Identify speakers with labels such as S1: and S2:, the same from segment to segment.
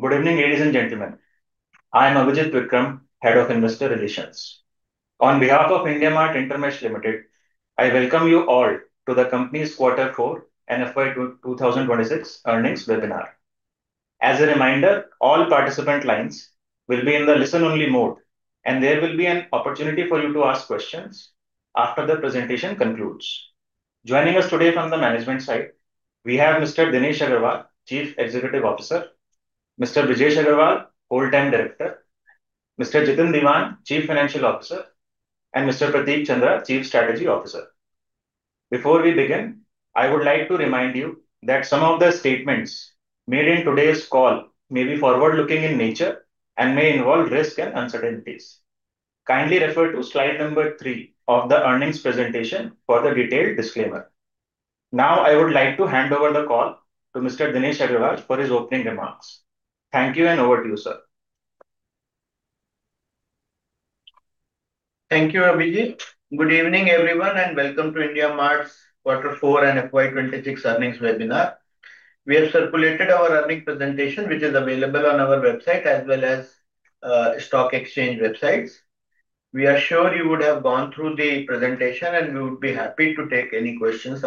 S1: Good evening, ladies and gentlemen. I'm Avijit Vikram, Head of Investor Relations. On behalf of IndiaMART InterMESH Limited, I welcome you all to the company's quarter our and FY 2026 earnings webinar. As a reminder, all participant lines will be in the listen-only mode, and there will be an opportunity for you to ask questions after the presentation concludes. Joining us today from the management side, we have Mr. Dinesh Agarwal, Chief Executive Officer, Mr. Brijesh Agrawal, Whole Time Director, Mr. Jitin Diwan, Chief Financial Officer, and Mr. Prateek Chandra, Chief Strategy Officer. Before we begin, I would like to remind you that some of the statements made in today's call may be forward-looking in nature and may involve risk and uncertainties. Kindly refer to slide number three of the earnings presentation for the detailed disclaimer. Now, I would like to hand over the call to Mr. Dinesh Agarwal for his opening remarks. Thank you, and over to you, sir.
S2: Thank you, Avijit. Good evening, everyone, and welcome to IndiaMART's quarter four and FY 2026 earnings webinar. We have circulated our earning presentation, which is available on our website as well as stock exchange websites. We are sure you would have gone through the presentation, and we would be happy to take any questions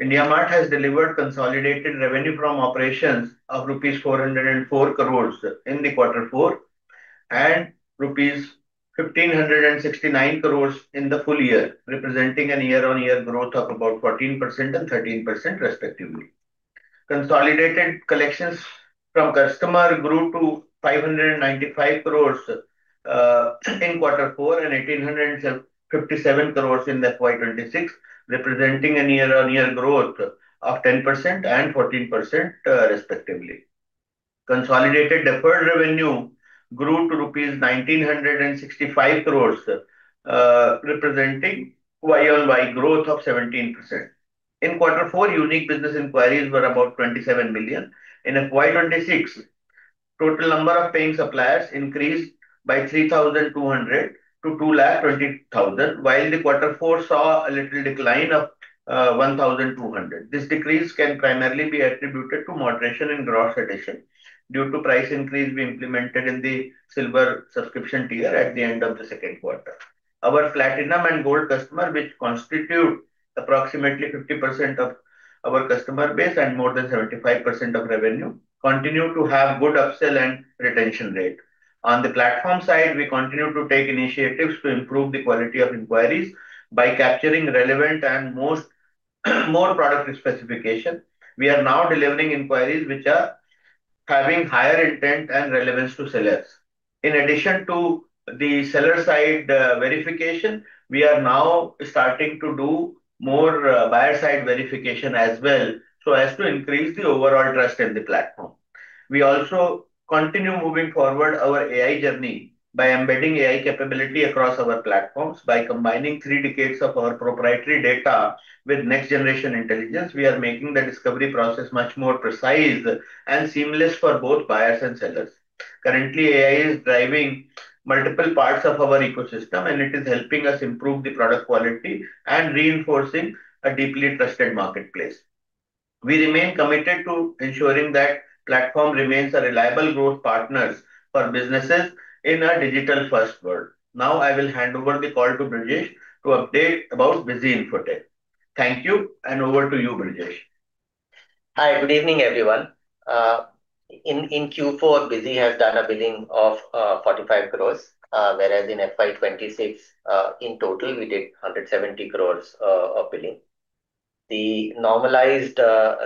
S2: afterward. IndiaMART has delivered consolidated revenue from operations of rupees 404 crores in the quarter four, and rupees 1,569 crores in the full year, representing a year-over-year growth of about 14% and 13% respectively. Consolidated collections from customer grew to 595 crores in quarter four, and 1,857 crores in the FY 2026, representing a year-over-year growth of 10% and 14% respectively. Consolidated deferred revenue grew to rupees 1,965 crores, representing year-over-year growth of 17%. In quarter four, unique business inquiries were about 27 million. In FY 2026, total number of paying suppliers increased by 3,200 to 220,000, while the quarter four saw a little decline of 1,200. This decrease can primarily be attributed to moderation in gross addition due to price increase we implemented in the silver subscription tier at the end of the second quarter. Our platinum and gold customer, which constitute approximately 50% of our customer base and more than 75% of revenue, continue to have good upsell and retention rate. On the platform side, we continue to take initiatives to improve the quality of inquiries by capturing relevant and most more product specification. We are now delivering inquiries which are having higher intent and relevance to sellers. In addition to the seller side verification, we are now starting to do more buyer side verification as well, so as to increase the overall trust in the platform. We also continue moving forward our AI journey by embedding AI capability across our platforms. By combining three decades of our proprietary data with next generation intelligence, we are making the discovery process much more precise and seamless for both buyers and sellers. Currently, AI is driving multiple parts of our ecosystem, and it is helping us improve the product quality and reinforcing a deeply trusted marketplace. We remain committed to ensuring that platform remains a reliable growth partners for businesses in a digital-first world. Now I will hand over the call to Brijesh to update about Busy Infotech. Thank you. Over to you, Brijesh.
S3: Hi. Good evening, everyone. In Q4, BUSY has done a billing of 45 crores, whereas in FY 2026, in total, we did 170 crores of billing. The normalized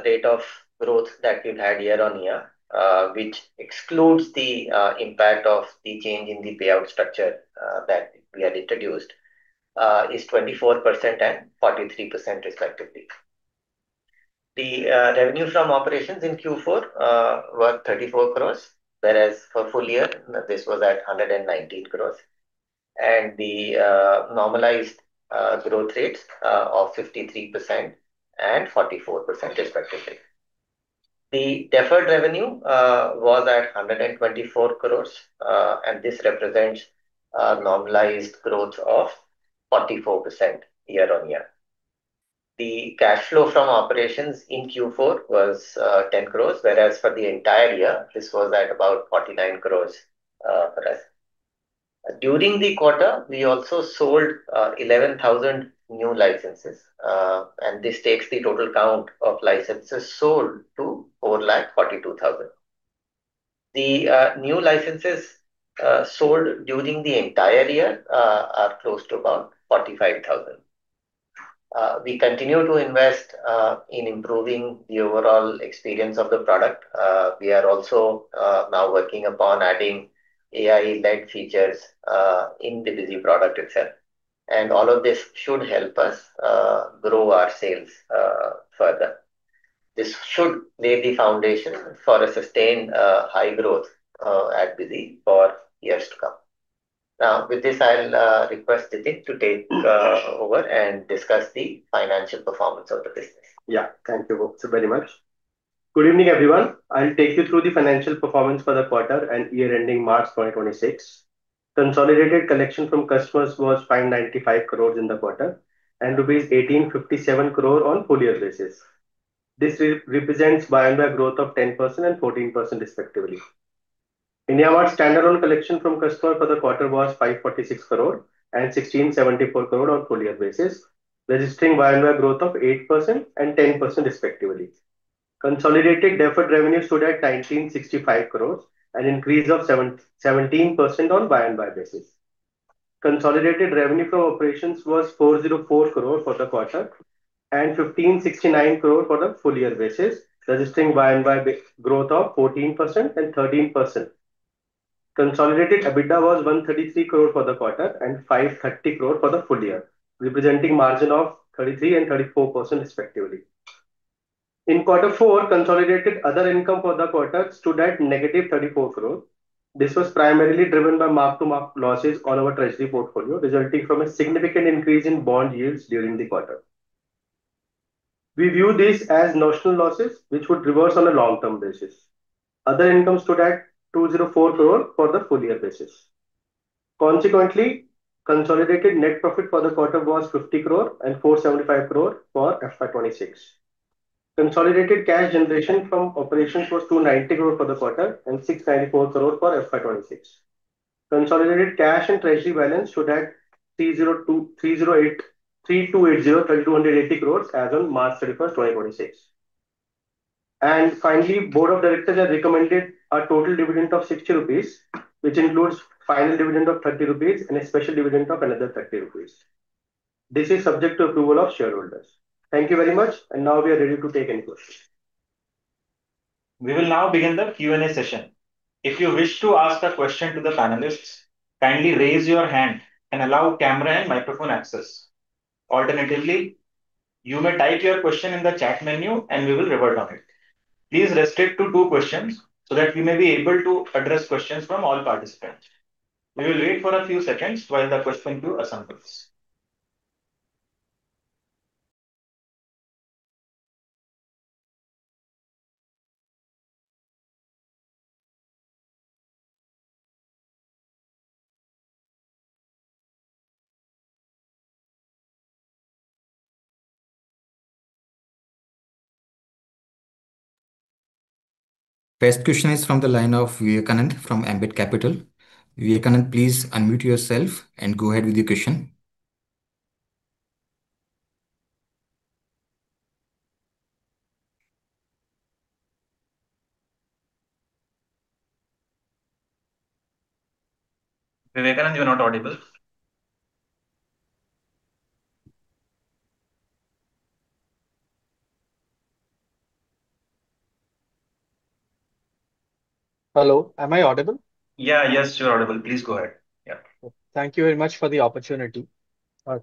S3: rate of growth that we've had year-on-year, which excludes the impact of the change in the payout structure that we had introduced, is 24% and 43% respectively. The revenue from operations in Q4 were 34 crores, whereas for full year, this was at 119 crores. The normalized growth rates of 53% and 44% respectively. The deferred revenue was at 124 crores, and this represents a normalized growth of 44% year-on-year. The cash flow from operations in Q4 was 10 crores, whereas for the entire year, this was at about 49 crores for us. During the quarter, we also sold 11,000 new licenses, and this takes the total count of licenses sold to over 142,000. The new licenses sold during the entire year are close to about 45,000. We continue to invest in improving the overall experience of the product. We are also now working upon adding AI-led features in the BUSY product itself. All of this should help us grow our sales further. This should lay the foundation for a sustained high growth at BUSY for years to come. Now, with this, I'll request Jitin Diwan to take over and discuss the financial performance of the business.
S4: Yeah. Thank you both very much. Good evening, everyone. I'll take you through the financial performance for the quarter and year ending March 2026. Consolidated collection from customers was 595 crore in the quarter, and rupees 1,857 crore on full-year basis. This re-represents year-over-year growth of 10% and 14% respectively. IndiaMART standalone collection from customer for the quarter was 546 crore and 1,674 crore on full-year basis, registering year-over-year growth of 8% and 10% respectively. Consolidated deferred revenue stood at 1,965 crore, an increase of 717% on year-over-year basis. Consolidated revenue from operations was 404 crore for the quarter and 1,569 crore for the full-year basis, registering year-over-year growth of 14% and 13%. Consolidated EBITDA was 133 crore for the quarter and 530 crore for the full year, representing margin of 33% and 34% respectively. In Q4, consolidated other income for the quarter stood at -NR 34 crore. This was primarily driven by mark-to-market losses on our treasury portfolio, resulting from a significant increase in bond yields during the quarter. We view this as notional losses, which would reverse on a long-term basis. Other income stood at 204 crore for the full year basis. Consequently, consolidated net profit for the quarter was 50 crore and 475 crore for FY 2026. Consolidated cash generation from operations was 290 crore for the quarter and 694 crore for FY 2026. Consolidated cash and treasury balance stood at 3,280 crore as on March 31, 2026. Finally, Board of Directors have recommended a total dividend of 60 rupees, which includes final dividend of 30 rupees and a special dividend of another 30 rupees. This is subject to approval of Shareholders. Thank you very much. Now we are ready to take any questions.
S1: We will now begin the Q&A session. If you wish to ask a question to the panelists, kindly raise your hand and allow camera and microphone access. Alternatively, you may type your question in the chat menu and we will revert on it. Please restrict to two questions so that we may be able to address questions from all participants. We will wait for a few seconds while the question queue assembles. First question is from the line of Vivekanand Subbaraman from Ambit Capital. Vivekanand Subbaraman, please unmute yourself and go ahead with your question. Vivekanand, you are not audible.
S5: Hello, am I audible?
S1: Yeah. Yes, you are audible. Please go ahead. Yeah.
S5: Thank you very much for the opportunity.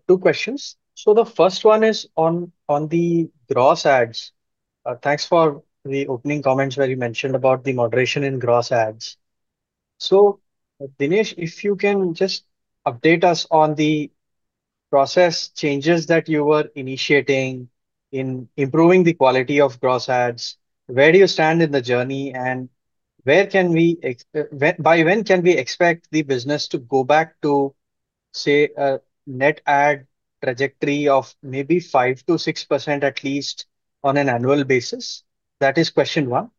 S5: Two questions. The first one is on the gross adds. Thanks for the opening comments where you mentioned about the moderation in gross adds. Dinesh, if you can just update us on the process changes that you were initiating in improving the quality of gross adds, where do you stand in the journey and by when can we expect the business to go back to, say, a net add trajectory of maybe 5%-6%, at least on an annual basis? That is question one.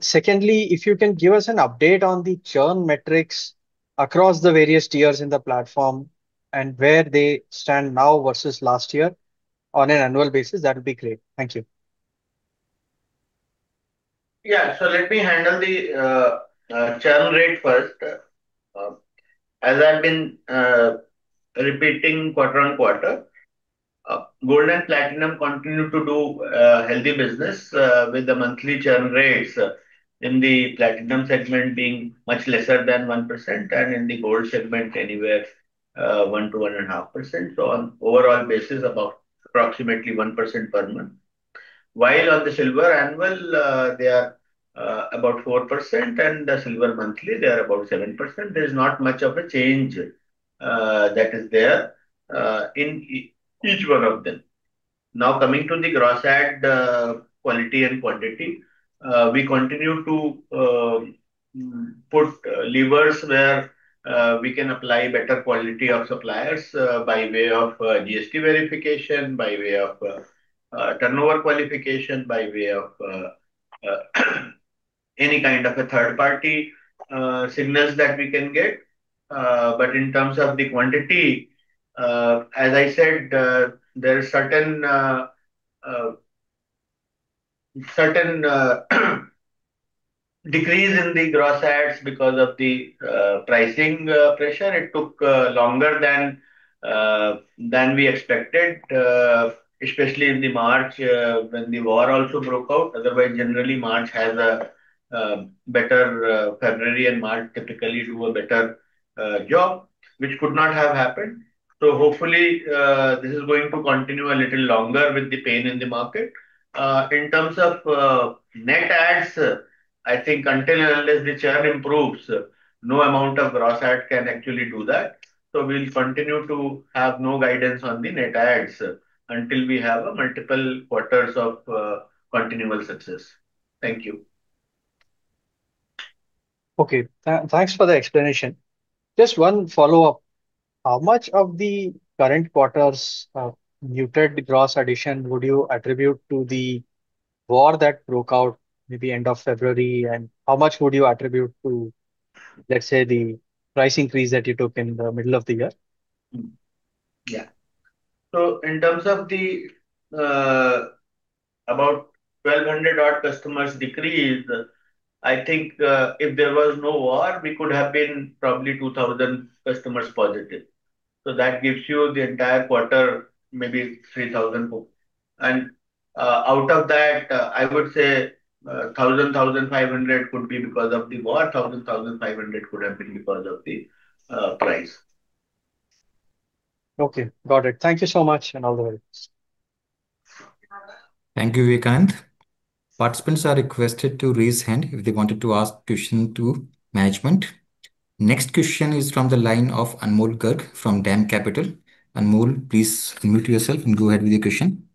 S5: Secondly, if you can give us an update on the churn metrics across the various tiers in the platform and where they stand now versus last year on an annual basis, that would be great. Thank you.
S2: Yeah. Let me handle the churn rate first. As I've been repeating quarter-on-quarter, Gold and Platinum continue to do healthy business with the monthly churn rates in the Platinum segment being much lesser than 1% and in the Gold segment anywhere, 1%-1.5%. On overall basis, about approximately 1% per month. While on the Silver annual, they are about 4%, and the Silver monthly, they are about 7%. There is not much of a change that is there in each one of them. Coming to the gross add, quality and quantity. We continue to put levers where we can apply better quality of suppliers by way of GST verification, by way of turnover qualification, by way of any kind of a third party signals that we can get. In terms of the quantity, as I said, there are certain decrease in the gross adds because of the pricing pressure. It took longer than we expected, especially in the March when the war also broke out. Otherwise, generally February and March typically do a better job, which could not have happened. Hopefully, this is going to continue a little longer with the pain in the market. In terms of net adds, I think until and unless the churn improves, no amount of gross add can actually do that. We'll continue to have no guidance on the net adds until we have multiple quarters of continual success. Thank you.
S5: Okay. Thanks for the explanation. Just one follow-up. How much of the current quarter's muted gross addition would you attribute to the war that broke out maybe end of February? How much would you attribute to, let's say, the price increase that you took in the middle of the year?
S2: Yeah. In terms of the, about 1,200 odd customers decreased, I think, if there was no war, we could have been probably 2,000 customers positive. That gives you the entire quarter, maybe 3,000 more. Out of that, I would say, 1,000, 1,500 could be because of the war. 1,000, 1,500 could have been because of the price.
S5: Okay. Got it. Thank you so much, and all the best.
S1: Thank you, Vivekanand. Participants are requested to raise hand if they wanted to ask question to management. Next question is from the line of Anmol Garg from DAM Capital. Anmol, please unmute yourself and go ahead with your question.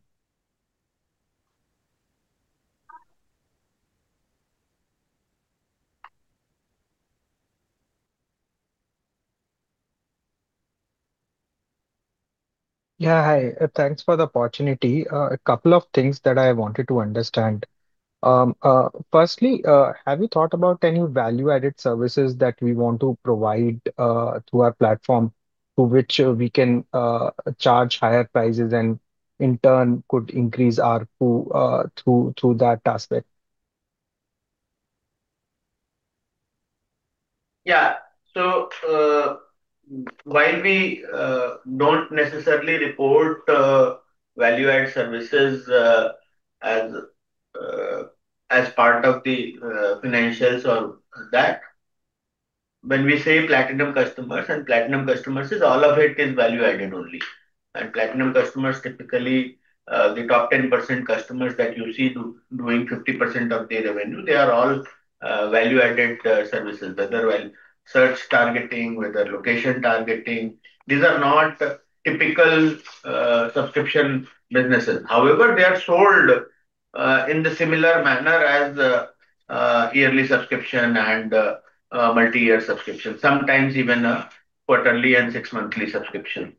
S6: Yeah. Hi. Thanks for the opportunity. A couple of things that I wanted to understand. Firstly, have you thought about any value-added services that we want to provide through our platform to which we can charge higher prices and in turn could increase our pool through that aspect?
S2: Yeah. While we don't necessarily report value-added services as part of the financials or that. When we say platinum customers, platinum customers is all of it is value-added only. Platinum customers, typically, the top 10% customers that you see doing 50% of the revenue, they are all value-added services. Whether search targeting, whether location targeting. These are not typical subscription businesses. However, they are sold in the similar manner as yearly subscription and multi-year subscription. Sometimes even a quarterly and six-monthly subscription.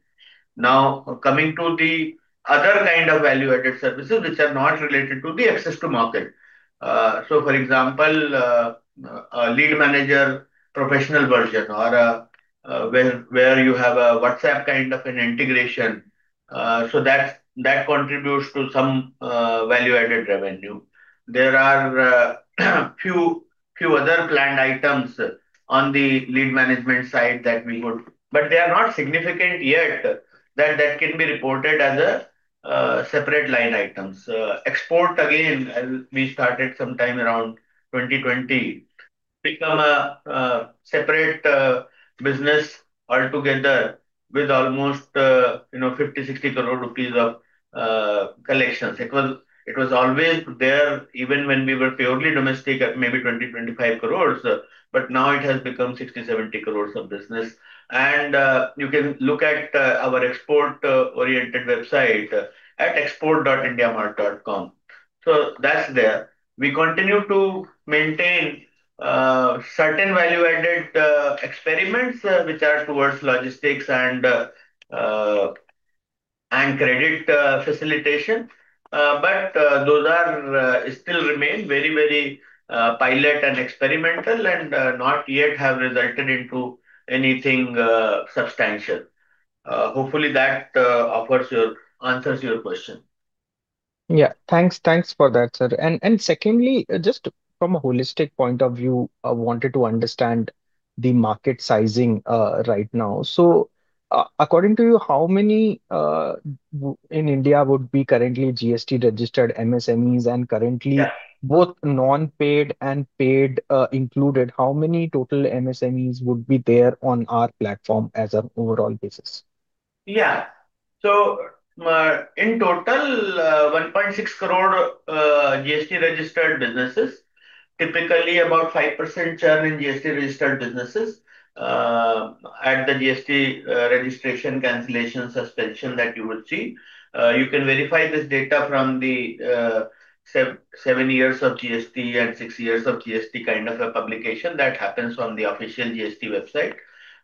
S2: Coming to the other kind of value-added services which are not related to the access to market. For example, a lead manager professional version or, where you have a WhatsApp kind of an integration, that contributes to some value-added revenue. There are few other planned items on the lead management side. They are not significant yet that can be reported as separate line items. Export, again, as we started some time around 2020, become a separate business altogether with almost, you know, 50 crore-60 crore rupees of collections. It was always there even when we were purely domestic at maybe 20 crore-25 crore, but now it has become 60 crore-70 crore of business. You can look at our export-oriented website at export.indiamart.com. That's there. We continue to maintain certain value-added experiments which are towards logistics and credit facilitation. Those are still remain very, very pilot and experimental and not yet have resulted into anything substantial. Hopefully, that answers your question.
S6: Yeah. Thanks. Thanks for that, sir. Secondly, just from a holistic point of view, I wanted to understand the market sizing right now. According to you, how many in India would be currently GST-registered MSMEs and currently?
S2: Yeah.
S6: Both non-paid and paid, included, how many total MSMEs would be there on our platform as an overall basis?
S2: Yeah. In total, 1.6 crore GST-registered businesses. Typically, about 5% churn in GST-registered businesses at the GST registration, cancellation, suspension that you would see. You can verify this data from the seven years of GST and six years of GST kind of a publication that happens on the official GST website.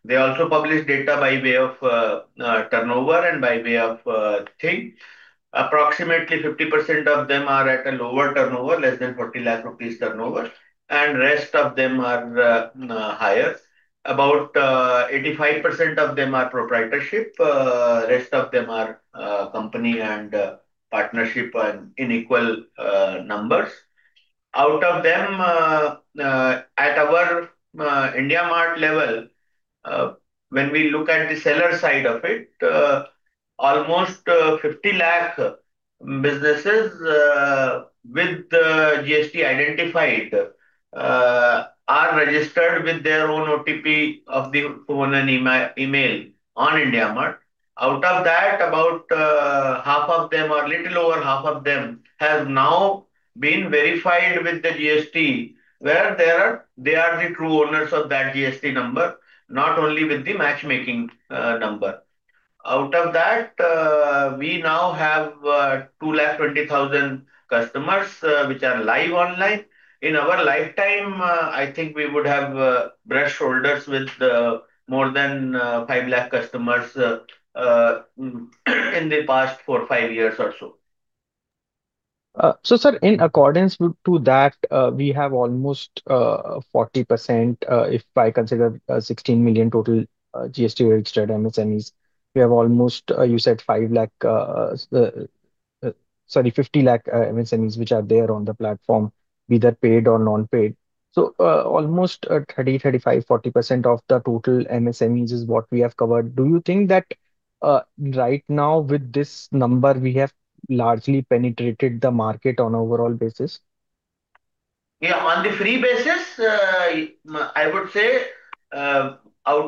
S2: They also publish data by way of turnover and by way of thing. Approximately 50% of them are at a lower turnover, less than 40 lakh rupees turnover, and rest of them are higher. About 85% of them are proprietorship, rest of them are company and partnership and in equal numbers. Out of them, at our IndiaMART level, when we look at the seller side of it, almost INR 50 lakh businesses, with the GST identified, are registered with their own OTP of the phone and email on IndiaMART. Out of that, about half of them or little over half of them have now been verified with the GST, where they are the true owners of that GST number, not only with the matchmaking. Out of that, we now have 220,000 customers, which are live online. In our lifetime, I think we would have brushed shoulders with more than 5 lakh customers, in the past four or five years or so.
S6: Sir, in accordance to that, we have almost 40%, if I consider 16 million total GST registered MSMEs. We have almost, you said 5 lakh, sorry, 50 lakh MSMEs which are there on the platform, either paid or non-paid. Almost 30%-35%, 40% of the total MSMEs is what we have covered. Do you think that, right now with this number, we have largely penetrated the market on overall basis?
S2: On the free basis, I would say, out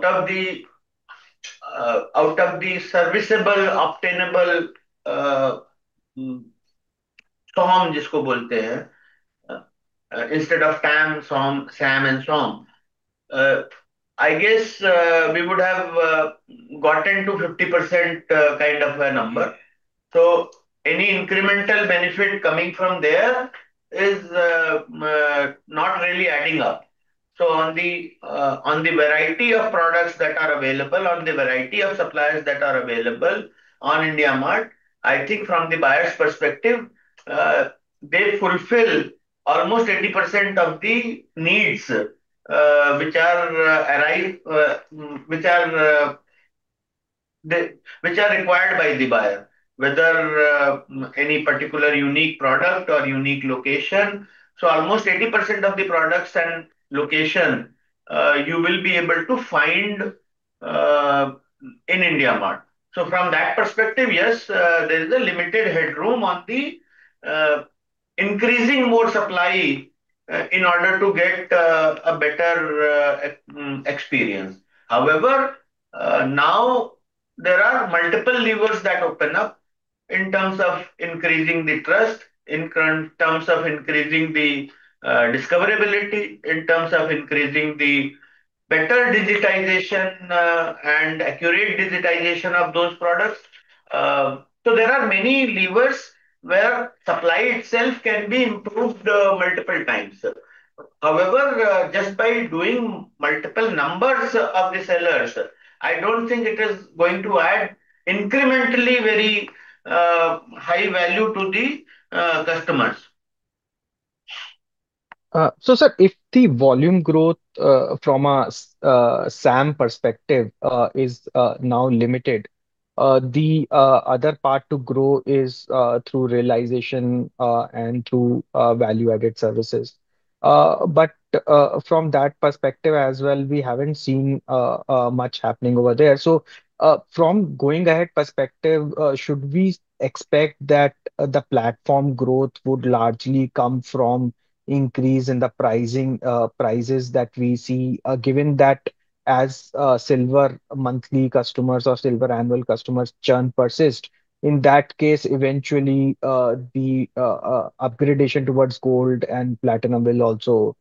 S2: of the out of the serviceable obtainable SOM. Instead of TAM, SOM. SAM and SOM. I guess, we would have gotten to 50% kind of a number. Any incremental benefit coming from there is not really adding up. On the variety of products that are available, on the variety of suppliers that are available on IndiaMART, I think from the buyer's perspective, they fulfill almost 80% of the needs which are required by the buyer. Whether any particular unique product or unique location. Almost 80% of the products and location, you will be able to find in IndiaMART. From that perspective, yes, there is a limited headroom on the increasing more supply in order to get a better experience. However, now there are multiple levers that open up in terms of increasing the trust, in terms of increasing the discoverability, in terms of increasing the better digitization, and accurate digitization of those products. There are many levers where supply itself can be improved multiple times. However, just by doing multiple numbers of the sellers, I don't think it is going to add incrementally very high value to the customers.
S6: Sir, if the volume growth from a SAM perspective is now limited, the other part to grow is through realization and through value-added services. From that perspective as well, we haven't seen much happening over there. From going ahead perspective, should we expect that the platform growth would largely come from increase in the pricing, prices that we see? Given that as silver monthly customers or silver annual customers churn persist, in that case, eventually, the upgradation towards gold and platinum will also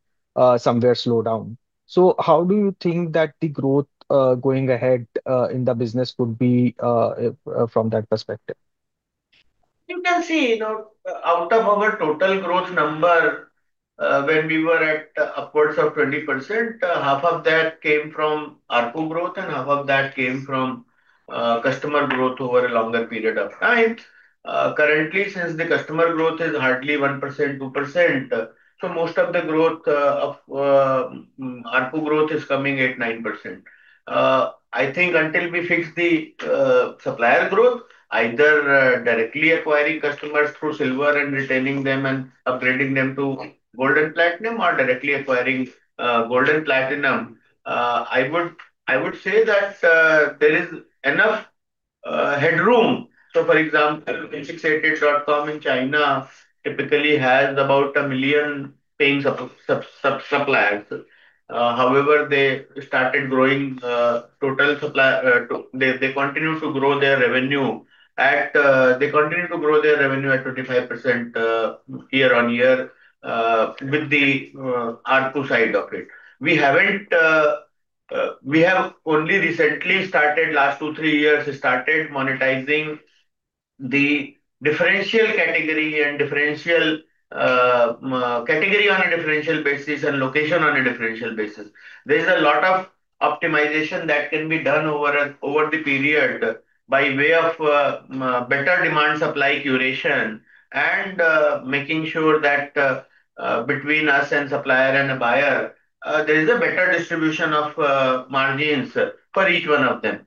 S6: somewhere slow down. How do you think that the growth going ahead in the business would be from that perspective?
S2: You can see, you know, out of our total growth number, when we were at upwards of 20%, half of that came from ARPU growth and half of that came from customer growth over a longer period of time. Currently since the customer growth is hardly 1%, 2%, most of the growth of ARPU growth is coming at 9%. I think until we fix the supplier growth, either directly acquiring customers through silver and retaining them and upgrading them to gold and platinum, or directly acquiring gold and platinum, I would say that there is enough headroom. For example, 1688.com in China typically has about 1 million paying suppliers. However, they started growing total supply. They continue to grow their revenue at 25% year-on-year with the ARPU side of it. We haven't, we have only recently started, last two, three years started monetizing the differential category and differential category on a differential basis and location on a differential basis. There's a lot of optimization that can be done over the period by way of better demand supply curation and making sure that between us and supplier and a buyer, there is a better distribution of margins for each one of them.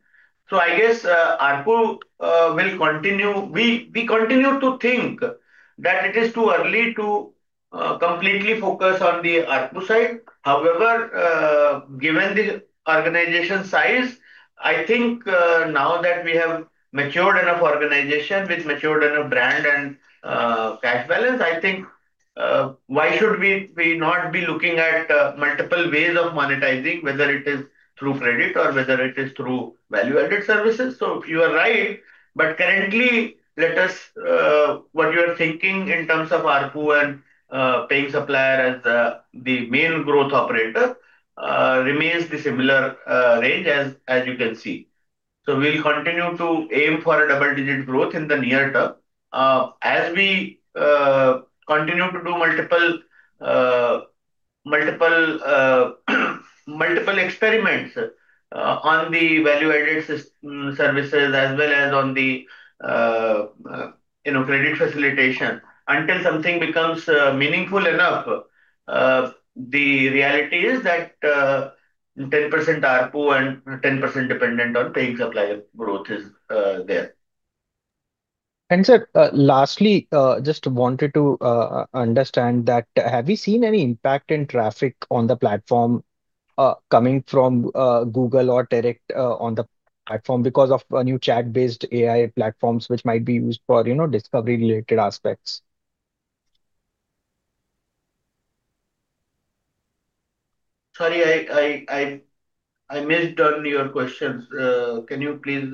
S2: I guess ARPU will continue. We continue to think that it is too early to completely focus on the ARPU side. However, given the organization size, I think, now that we have matured enough organization with matured enough brand and cash balance, I think, why should we not be looking at multiple ways of monetizing, whether it is through credit or whether it is through value-added services? You are right. Currently, let us what you are thinking in terms of ARPU and paying supplier as the main growth operator, remains the similar range as you can see. We'll continue to aim for a double-digit growth in the near term, as we continue to do multiple, multiple experiments on the value-added services as well as on the, you know, credit facilitation. Until something becomes meaningful enough, the reality is that 10% ARPU and 10% dependent on paid supplier growth is there.
S6: Sir, lastly, just wanted to understand that have you seen any impact in traffic on the platform, coming from Google or direct, on the platform because of a new chat-based AI platforms which might be used for, you know, discovery related aspects?
S2: Sorry, I missed on your questions. Can you please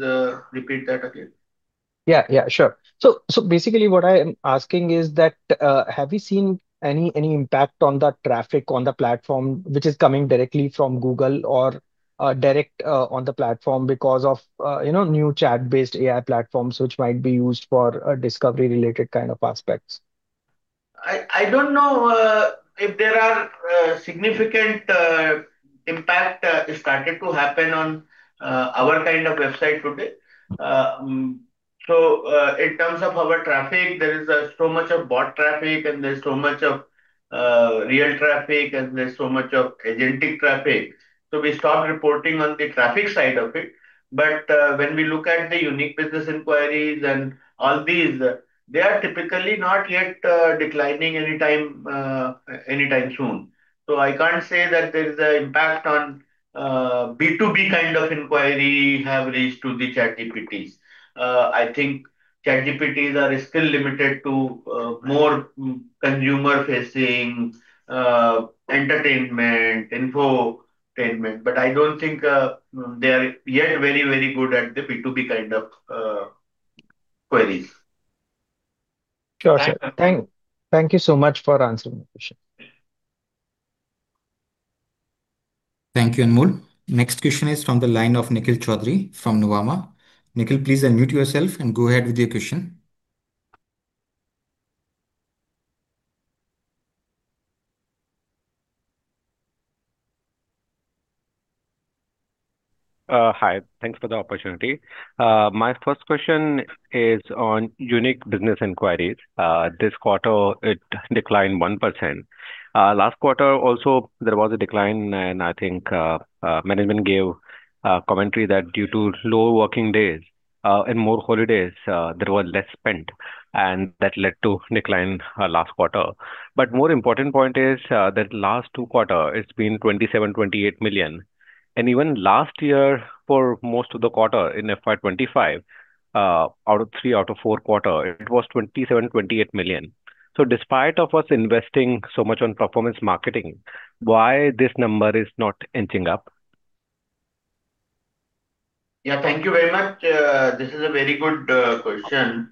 S2: repeat that again?
S6: Yeah, sure. Basically what I am asking is that, have you seen any impact on the traffic on the platform which is coming directly from Google or direct on the platform because of, you know, new chat-based AI platforms which might be used for a discovery related kind of aspects?
S2: I don't know if there are significant impact started to happen on our kind of website today. In terms of our traffic, there is so much of bot traffic and there's so much of real traffic, and there's so much of agentic traffic. We stopped reporting on the traffic side of it. When we look at the unique business inquiries and all these, they are typically not yet declining anytime soon. I can't say that there's a impact on B2B kind of inquiry have reached to the ChatGPTs. I think ChatGPTs are still limited to more consumer-facing entertainment, infotainment. I don't think they are yet very, very good at the B2B kind of queries.
S6: Sure, sir. Thank you so much for answering my question.
S1: Thank you, Anmol. Next question is from the line of Nikhil Choudhary from Nuvama. Nikhil, please unmute yourself and go ahead with your question.
S7: Hi. Thanks for the opportunity. My first question is on unique business inquiries. This quarter it declined 1%. Last quarter also there was a decline, and I think management gave commentary that due to low working days and more holidays, there was less spent, and that led to decline last quarter. More important point is that last two quarter it's been 27 million, 28 million, and even last year for most of the quarter in FY 2025, three out of four quarter, it was 27 million, 28 million. Despite of us investing so much on performance marketing, why this number is not inching up?
S2: Yeah. Thank you very much. This is a very good question.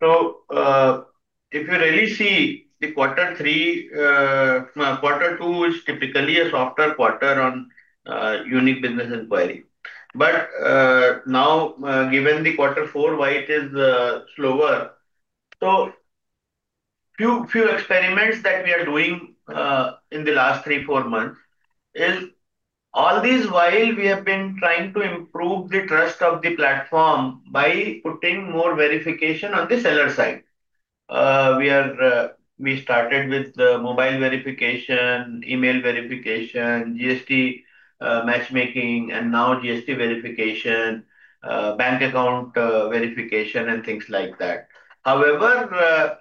S2: If you really see the quarter two is typically a softer quarter on unique business inquiry. Now, given the quarter four, why it is slower? Few, few experiments that we are doing in the last three, four months is all this while we have been trying to improve the trust of the platform by putting more verification on the seller side. We are, we started with the mobile verification, email verification, GST matchmaking, and now GST verification, bank account verification and things like that. However,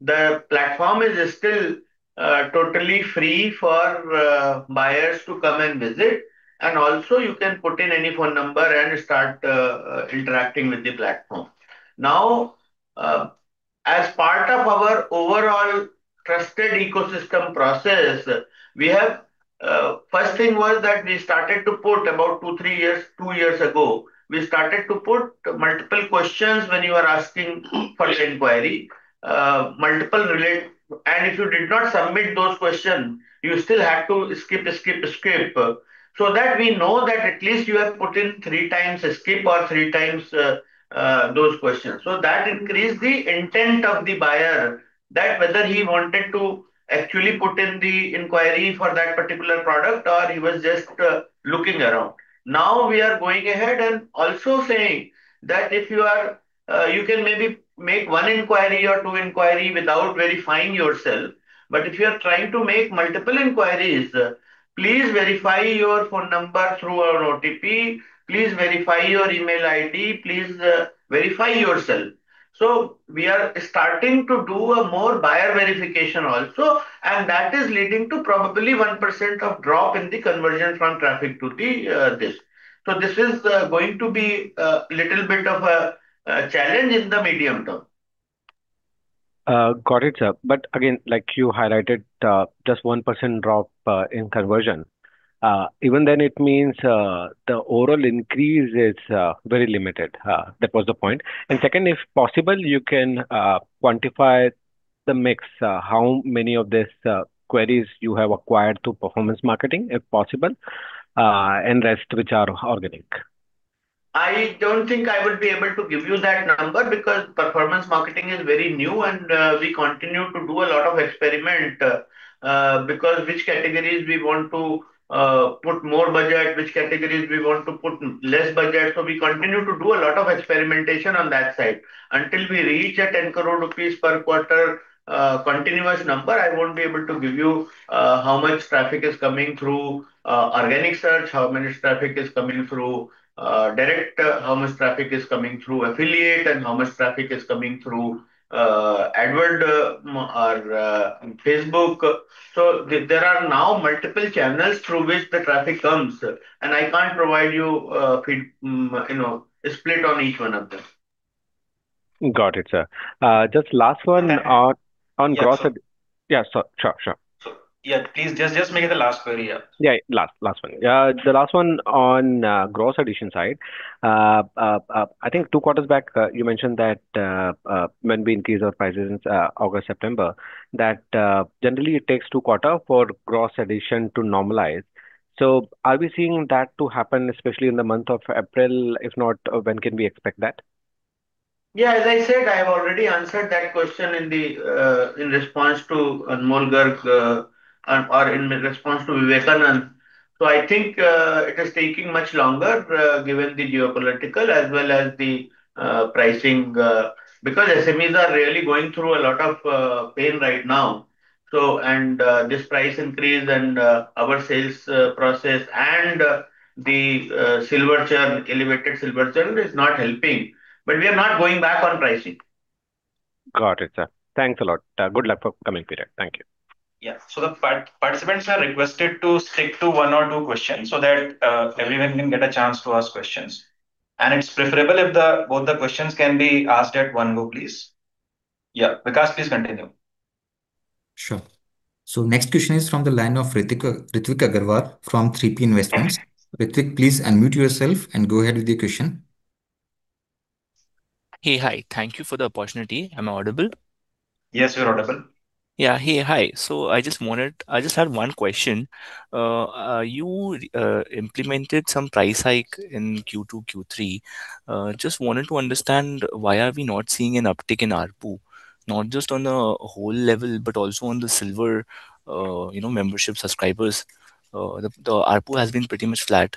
S2: the platform is still totally free for buyers to come and visit, and also you can put in any phone number and start interacting with the platform. As part of our overall trusted ecosystem process, first thing was that we started to put about two, three years, two years ago, we started to put multiple questions when you are asking for the inquiry. If you did not submit those question, you still had to skip, skip so that we know that at least you have put in three times skip or three times those questions. That increased the intent of the buyer that whether he wanted to actually put in the inquiry for that particular product or he was just looking around. We are going ahead and also saying that you can maybe make one inquiry or two inquiry without verifying yourself. If you are trying to make multiple inquiries, please verify your phone number through our OTP, please verify your email ID, please verify yourself. We are starting to do a more buyer verification also, and that is leading to probably 1% of drop in the conversion from traffic to the this. This is going to be a little bit of a challenge in the medium term.
S7: Got it, sir. Again, like you highlighted, just 1% drop in conversion. Even then it means the overall increase is very limited. That was the point. Second, if possible, you can quantify the mix, how many of these queries you have acquired through performance marketing, if possible, and rest which are organic?
S2: I don't think I would be able to give you that number because performance marketing is very new and we continue to do a lot of experiment because which categories we want to put more budget, which categories we want to put less budget. We continue to do a lot of experimentation on that side. Until we reach a 10 crore rupees per quarter continuous number, I won't be able to give you how much traffic is coming through organic search, how much traffic is coming through direct, how much traffic is coming through affiliate, and how much traffic is coming through AdWords or Facebook. There are now multiple channels through which the traffic comes, and I can't provide you know, a split on each one of them.
S7: Got it, sir. just last one on gross
S2: Yeah, sure.
S7: Yeah. Sure, sure.
S2: Yeah, please just make it the last query, yeah.
S7: Last, last one. The last one on gross addition side. I think two quarters back, you mentioned that when we increased our prices, August, September, that generally it takes two quarters for gross addition to normalize. Are we seeing that to happen, especially in the month of April? If not, when can we expect that?
S2: Yeah. As I said, I have already answered that question in the, in response to Anmol Garg, or in response to Vivekanand. I think it is taking much longer, given the geopolitical as well as the pricing, because SMEs are really going through a lot of pain right now. This price increase and our sales process and the silver churn, elevated silver churn is not helping. We are not going back on pricing.
S7: Got it, sir. Thanks a lot. Good luck for coming period. Thank you.
S2: Yeah. The participants are requested to stick to one or two questions so that everyone can get a chance to ask questions. It's preferable if both the questions can be asked at one go, please. Yeah. Vikram, please continue.
S1: Sure. Next question is from the line of Ritvik Agrawal from 3P Investment. Ritvik, please unmute yourself and go ahead with your question.
S8: Hey. Hi. Thank you for the opportunity. Am I audible?
S2: Yes, you're audible.
S8: Hey. Hi. I just had one question. You implemented some price hike in Q2, Q3. Just wanted to understand why are we not seeing an uptick in ARPU, not just on a whole level, but also on the silver, you know, membership subscribers. The ARPU has been pretty much flat.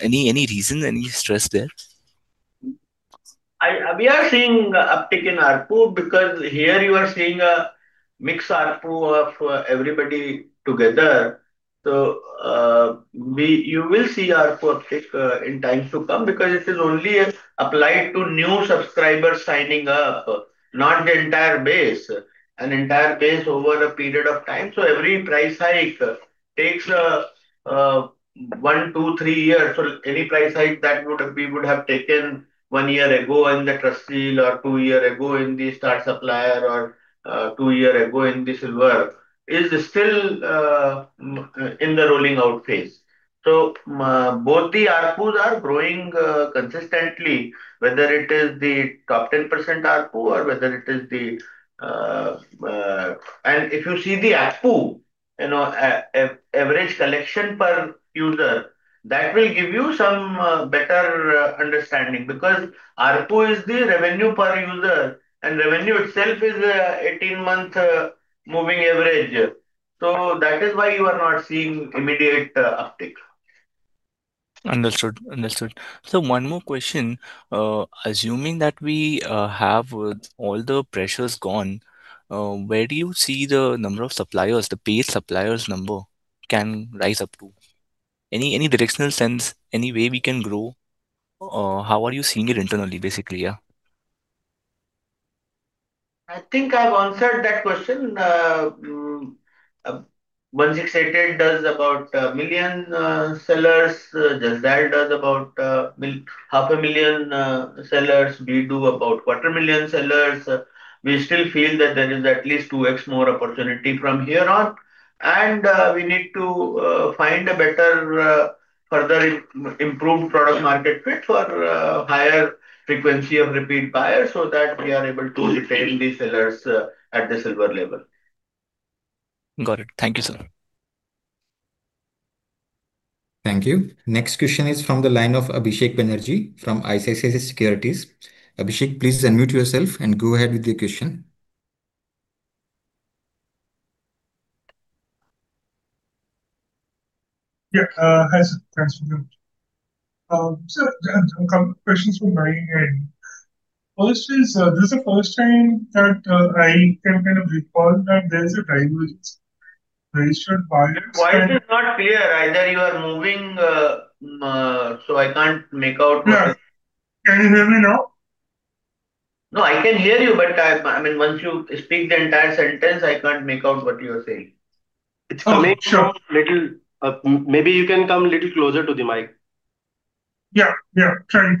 S8: Any reason, any stress there?
S2: We are seeing a uptick in ARPU because here you are seeing a mixed ARPU of everybody together. You will see ARPU uptick in times to come because it is only applied to new subscribers signing up, not the entire base. An entire base over a period of time. Every price hike takes one, two, three years. Any price hike that we would have taken one year ago in the TrustSEAL or two year ago in the Star Supplier or two year ago in the silver is still in the rolling out phase. Both the ARPUs are growing consistently, whether it is the top 10% ARPU or whether it is the. If you see the ARPU, you know, average collection per user, that will give you some better understanding. ARPU is the revenue per user, and revenue itself is 18-month moving average. That is why you are not seeing immediate uptick.
S8: Understood. Understood. One more question. Assuming that we have all the pressures gone, where do you see the number of suppliers, the paid suppliers number can rise up to? Any directional sense? Any way we can grow? How are you seeing it internally?
S2: I think I've answered that question. 1688.com does about 1 million sellers. Justdial does about 0.5 million sellers. We do about 0.25 million sellers. We still feel that there is at least 2x more opportunity from here on. We need to find a better, further improved product market fit for higher frequency of repeat buyers so that we are able to retain the sellers at the silver level.
S8: Got it. Thank you, sir.
S1: Thank you. Next question is from the line of Abhisek Banerjee from ICICI Securities. Abhisek, please unmute yourself and go ahead with your question.
S9: Yeah. Hi, sir. Thanks for the mute. A couple questions from my end. First is, this is the first time that I can kind of recall that there is a divergence registered buyers.
S2: Voice is not clear. Either you are moving, so I can't make out what.
S9: Yes. Can you hear me now?
S2: No, I can hear you, but I mean, once you speak the entire sentence, I can't make out what you are saying.
S9: Oh, sure.
S1: It is coming out little. Maybe you can come a little closer to the mic.
S9: Yeah, yeah. Trying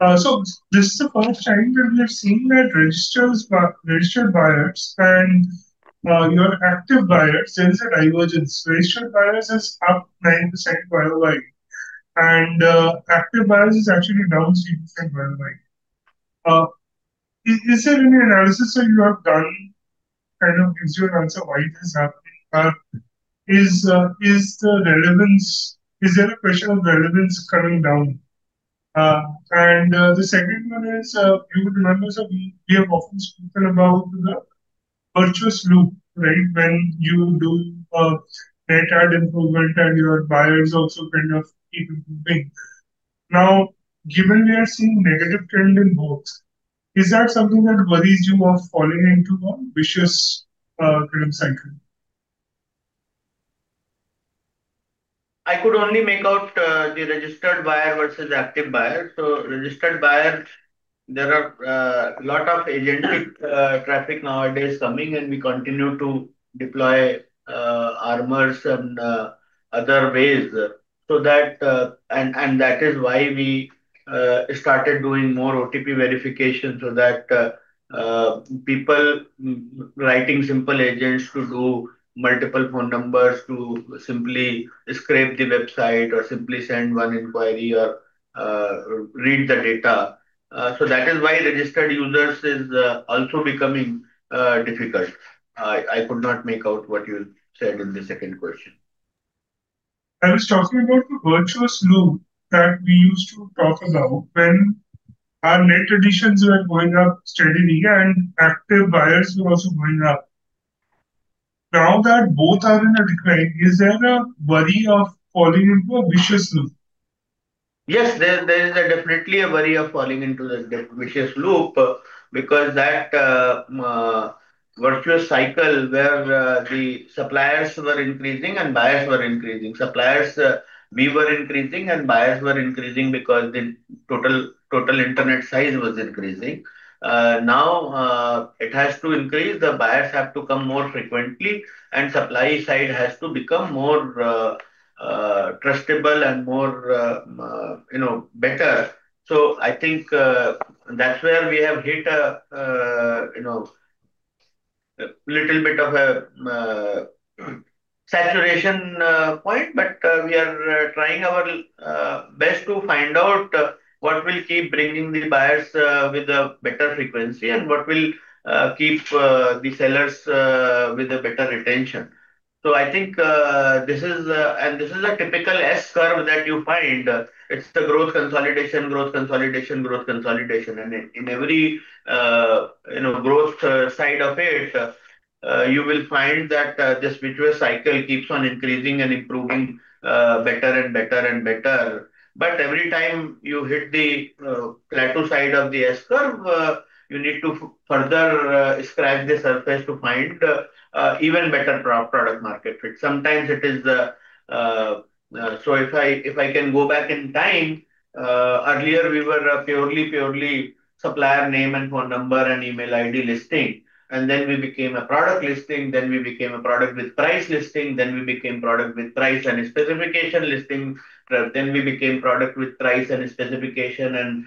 S9: to. This is the first time that we are seeing that registers registered buyers and your active buyers, there is a divergence. Registered buyers is up 9% year-over-year. Active buyers is actually downstream from well buying. Is there any analysis that you have done kind of gives you an answer why this is happening? Is the relevance? Is there a question of relevance coming down? The second one is, you would remember, sir, we have often spoken about the virtuous loop, right? When you do net add improvement and your buyers also kind of keep improving. Given we are seeing negative trend in both, is that something that worries you of falling into a vicious kind of cycle?
S2: I could only make out the registered buyer versus active buyer. Registered buyer, there are lot of agentic traffic nowadays coming, and we continue to deploy armors and other ways. That is why we started doing more OTP verification so that people writing simple agents to do multiple phone numbers, to simply scrape the website, or simply send one inquiry or read the data. That is why registered users is also becoming difficult. I could not make out what you said in the second question.
S9: I was talking about the virtuous loop that we used to talk about when our net additions were going up steadily, yeah, and active buyers were also going up. Now that both are in a decline, is there a worry of falling into a vicious loop?
S2: Yes, there is a definitely a worry of falling into the vicious loop because that virtuous cycle where the suppliers were increasing and buyers were increasing. Suppliers, we were increasing and buyers were increasing because the total internet size was increasing. Now, it has to increase. The buyers have to come more frequently and supply side has to become more trustable and more, you know, better. I think that's where we have hit a, you know, a little bit of a saturation point. We are trying our best to find out what will keep bringing the buyers with a better frequency and what will keep the sellers with a better retention. I think, this is, and this is a typical S-curve that you find. It's the growth consolidation, growth consolidation, growth consolidation. In every, you know, growth side of it, you will find that this virtuous cycle keeps on increasing and improving, better and better and better. Every time you hit the plateau side of the S-curve, you need to further scratch the surface to find even better product market fit. Sometimes it is. If I can go back in time, earlier we were purely supplier name and phone number and email ID listing, then we became a product listing, then we became a product with price listing, then we became product with price and specification listing, then we became product with price and specification and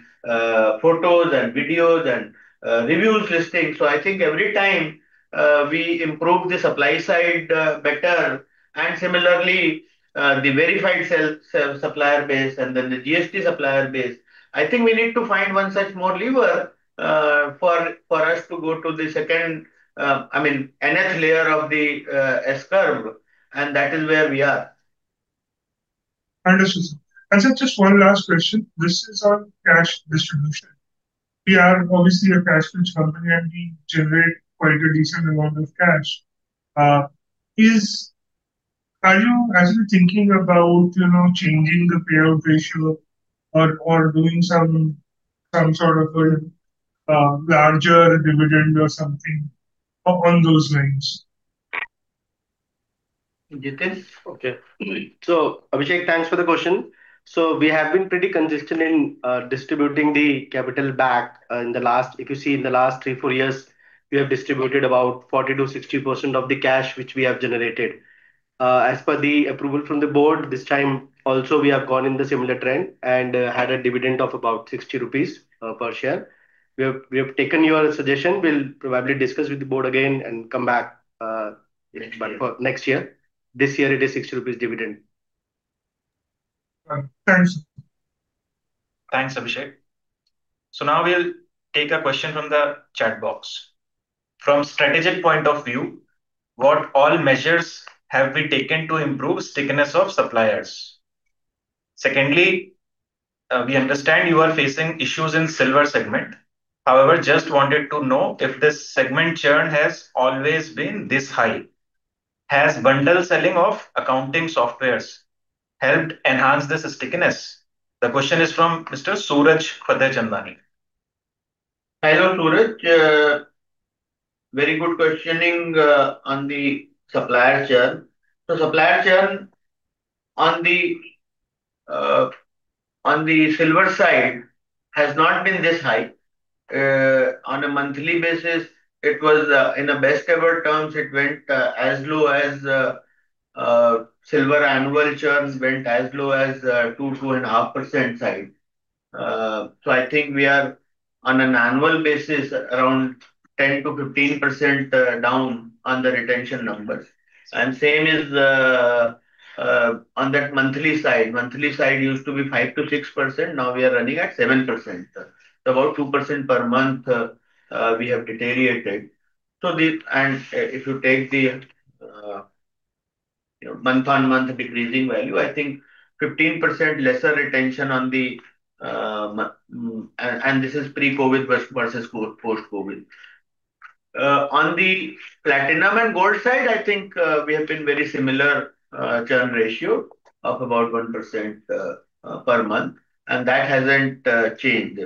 S2: photos and videos and reviews listing. I think every time we improve the supply side better and similarly, the verified supplier base and then the GST supplier base. I think we need to find one such more lever for us to go to the second, I mean, nth layer of the S-curve, that is where we are.
S9: Understood, sir. Sir, just one last question. This is on cash distribution. We are obviously a cash-rich company, and we generate quite a decent amount of cash. Are you actually thinking about, you know, changing the payout ratio or doing some sort of larger dividend or something on those lines?
S2: Jitin.
S4: Okay. Abhisek, thanks for the question. We have been pretty consistent in distributing the capital back. If you see in the last three, four years, we have distributed about 40%-60% of the cash which we have generated. As per the approval from the board this time also we have gone in the similar trend and had a dividend of about 60 rupees per share. We have taken your suggestion. We'll probably discuss with the board again and come back. Next year. For next year. This year it is 60 rupees dividend.
S9: Thanks.
S1: Thanks, Abhisek. Now we'll take a question from the chat box. From strategic point of view, what all measures have been taken to improve stickiness of suppliers? Secondly, we understand you are facing issues in Silver segment. However, just wanted to know if this segment churn has always been this high. Has bundle selling of accounting softwares helped enhance the stickiness? The question is from Mr. Suraj Uttamchandani.
S2: Hello, Suraj. Very good questioning on the supplier churn. Supplier churn on the Silver side has not been this high. On a monthly basis it was in the best ever terms, it went as low as Silver annual churns went as low as 2.5% side. I think we are on an annual basis around 10%-15% down on the retention numbers. Same is on that monthly side. Monthly side used to be 5%-6%, now we are running at 7%. About 2% per month we have deteriorated. If you take the month on month decreasing value, I think 15% lesser retention on the and this is pre-COVID versus post-COVID. On the platinum and gold side, I think, we have been very similar, churn ratio of about 1% per month, that hasn't changed.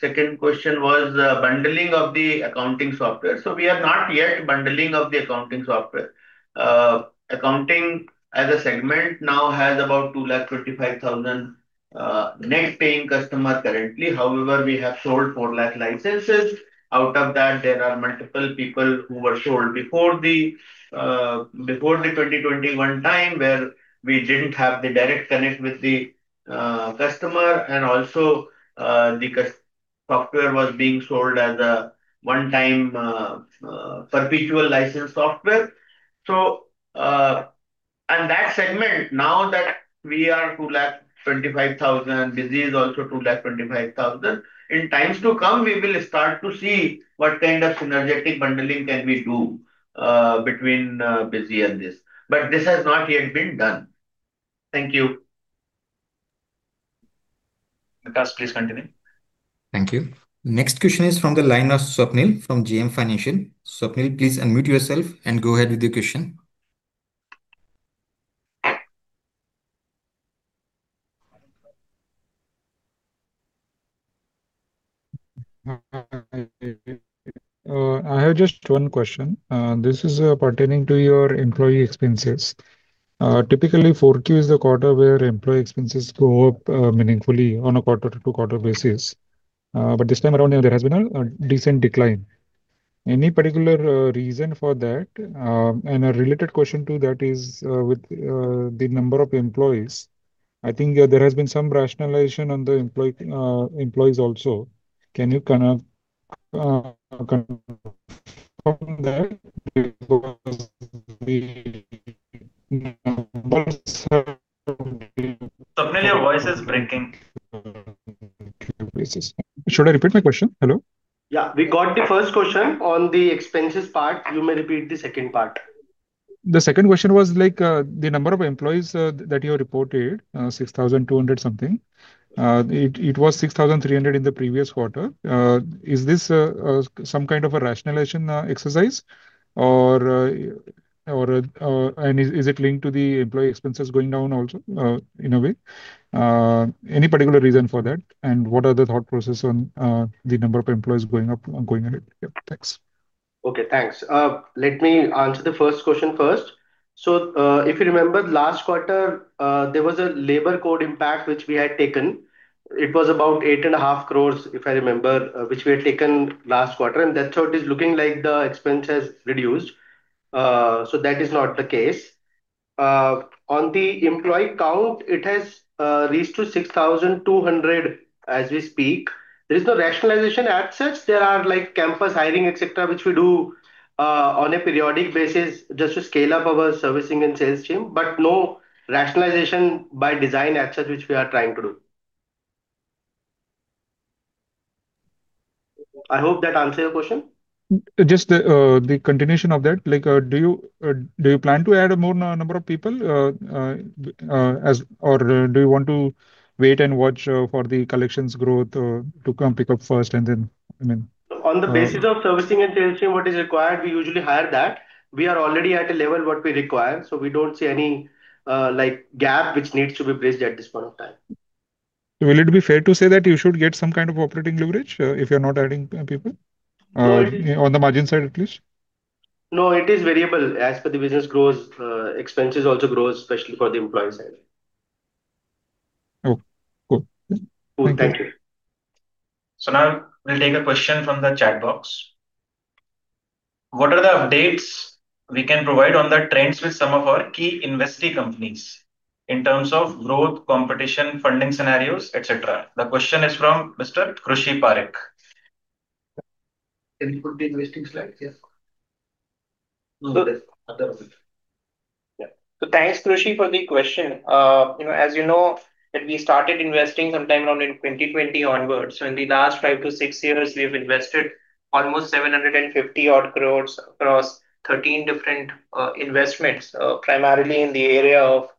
S2: Second question was bundling of the accounting software. We are not yet bundling of the accounting software. Accounting as a segment now has about 225,000 net paying customers currently. However, we have sold 400,000 licenses. Out of that, there are multiple people who were sold before the before the 2021 time, where we didn't have the direct connect with the customer and also the software was being sold as a one-time perpetual license software. That segment, now that we are 225,000, Busy is also 225,000. In times to come, we will start to see what kind of synergetic bundling can we do, between BUSY and this. This has not yet been done. Thank you. Avijit please continue.
S1: Thank you. Next question is from the line of Swapnil from JM Financial. Swapnil, please unmute yourself and go ahead with your question.
S10: Hi. I have just one question. This is pertaining to your employee expenses. Typically 4Q is the quarter where employee expenses go up meaningfully on a quarter-to-quarter basis. This time around here there has been a decent decline. Any particular reason for that? A related question to that is with the number of employees. I think there has been some rationalization on the employee employees also. Can you kind of confirm that? Because the numbers are-
S2: Swapnil, your voice is breaking.
S10: Should I repeat my question? Hello?
S2: Yeah, we got the first question. On the expenses part, you may repeat the second part.
S10: The second question was like, the number of employees that you reported, 6,200 something. It was 6,300 in the previous quarter. Is this some kind of a rationalization exercise or and is it linked to the employee expenses going down also in a way? Any particular reason for that, and what are the thought process on the number of employees going up or going ahead? Yeah, thanks.
S4: Okay, thanks. Let me answer the first question first. If you remember last quarter, there was a labor code impact which we had taken. It was about 8.5 crores, if I remember, which we had taken last quarter, and that's how it is looking like the expense has reduced. That is not the case. On the employee count, it has reached to 6,200 as we speak. There is no rationalization as such. There are, like, campus hiring, et cetera, which we do on a periodic basis just to scale up our servicing and sales team. No rationalization by design as such which we are trying to do. I hope that answer your question.
S10: Just, the continuation of that. Like, do you plan to add more number of people as or do you want to wait and watch for the collections growth to come pick up first and then?
S4: On the basis of servicing and sales team, what is required, we usually hire that. We are already at a level what we require. We don't see any, like, gap which needs to be bridged at this point of time.
S10: Will it be fair to say that you should get some kind of operating leverage, if you're not adding people?
S4: No.
S10: On the margin side at least?
S4: No, it is variable. As per the business grows, expenses also grows, especially for the employee side.
S10: Okay, cool.
S4: Cool. Thank you.
S1: Now we'll take a question from the chat box. What are the updates we can provide on the trends with some of our key investee companies in terms of growth, competition, funding scenarios, et cetera? The question is from Mr. Krushi Parekh.
S2: Can you put the investing slide? Yes. No, the other one.
S1: Yeah.
S3: Thanks, Krushi, for the question. You know, as you know that we started investing sometime around in 2020 onwards. In the last five to six years, we've invested almost 750 odd crores across 13 different investments, primarily in the area of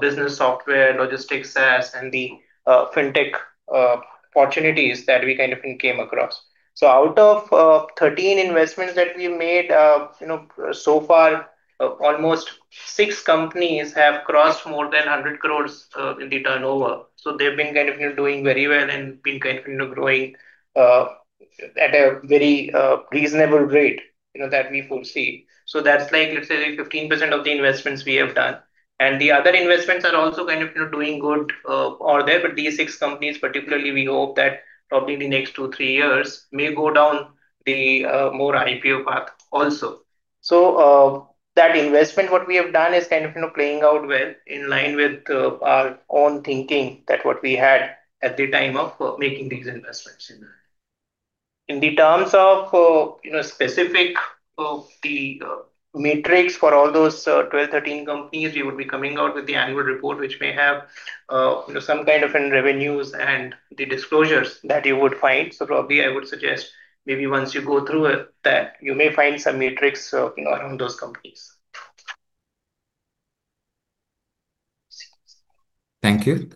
S3: business software, logistics, SaaS, and the fintech opportunities that we kind of came across. Out of 13 investments that we made, you know, so far, almost six companies have crossed more than 100 crores in the turnover. They've been kind of, you know, doing very well and been kind of, you know, growing at a very reasonable rate, you know, that we foresee. That's like, let's say, 15% of the investments we have done. The other investments are also kind of, you know, doing good or there. These six companies particularly, we hope that probably in the next two, three years may go down the more IPO path also. That investment what we have done is kind of, you know, playing out well in line with our own thinking that what we had at the time of making these investments. In the terms of, you know, specific metrics for all those 12, 13 companies, we would be coming out with the annual report, which may have, you know, some kind of end revenues and the disclosures that you would find. Probably I would suggest maybe once you go through that you may find some metrics, you know, around those companies.
S1: Thank you.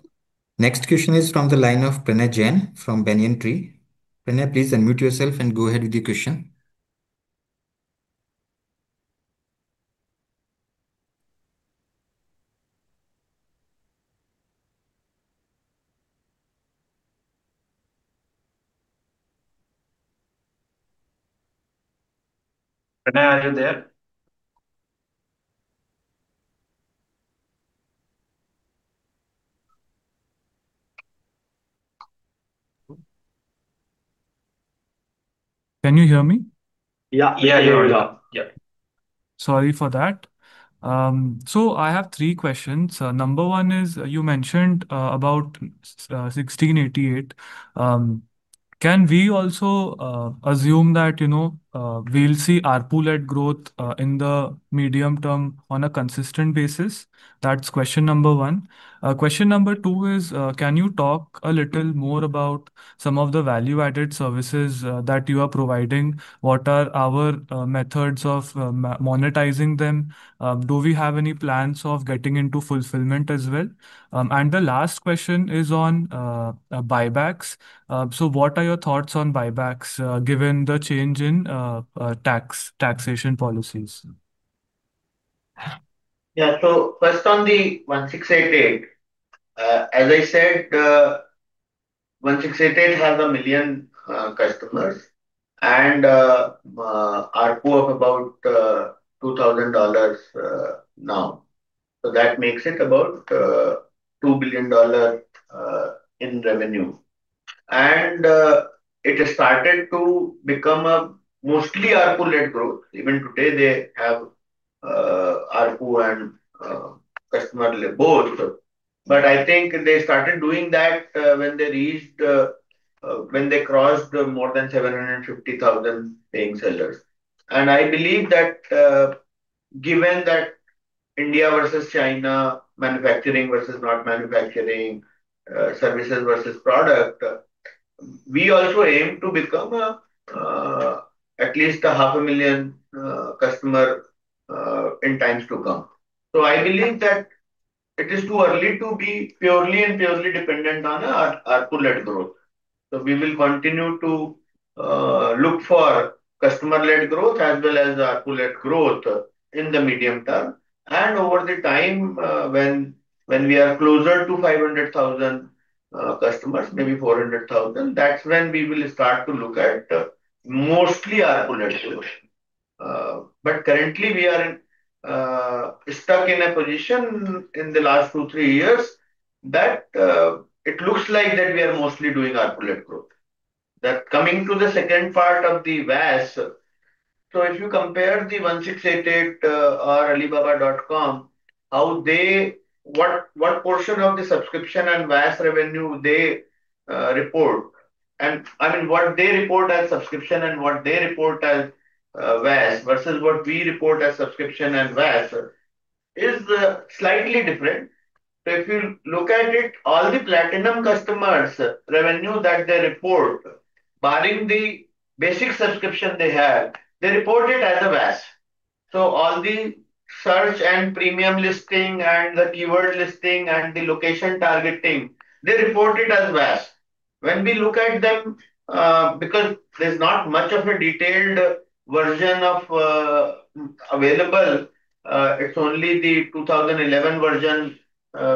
S1: Next question is from the line of Pranaya Jain from Banyan Tree. Pranaya, please unmute yourself and go ahead with your question.
S2: Pranaya, are you there?
S11: Can you hear me?
S2: Yeah.
S1: Yeah, you're on, yeah.
S11: Sorry for that. I have three questions. Number one is, you mentioned about 1688.com. Can we also assume that, you know, we'll see ARPU-led growth in the medium term on a consistent basis? That's question number one. Question number two is, can you talk a little more about some of the value-added services that you are providing? What are our methods of monetizing them? Do we have any plans of getting into fulfillment as well? The last question is on buybacks. What are your thoughts on buybacks, given the change in taxation policies?
S2: Yeah. First on the 1688.com. As I said, 1688.com has 1 million customers and ARPU of about $2,000 now. That makes it about $2 billion in revenue. It has started to become a mostly ARPU-led growth. Even today they have ARPU and customer both. I think they started doing that when they crossed more than 750,000 paying sellers. I believe that, given that India versus China, manufacturing versus not manufacturing, services versus product, we also aim to become a at least a half a million customer in times to come. I believe that it is too early to be purely and purely dependent on ARPU-led growth. We will continue to look for customer-led growth as well as ARPU-led growth in the medium term. Over the time, when we are closer to 500,000 customers, maybe 400,000, that's when we will start to look at mostly ARPU-led solution. But currently we are in stuck in a position in the last two, three years that it looks like that we are mostly doing ARPU-led growth. That coming to the second part of the VAS. If you compare the 1688.com or alibaba.com, what portion of the subscription and VAS revenue they report. I mean, what they report as subscription and what they report as VAS versus what we report as subscription and VAS is slightly different. If you look at it, all the platinum customers revenue that they report, barring the basic subscription they have, they report it as a VAS. All the search and premium listing and the keyword listing and the location targeting, they report it as VAS. When we look at them, because there's not much of a detailed version of available, it's only the 2011 version,